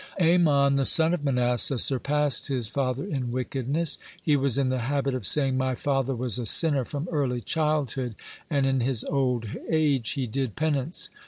(110) Amon, the son of Manasseh, surpassed his father in wickedness. He was in the habit of saying: "My father was a sinner from early childhood, and in his old age he did penance.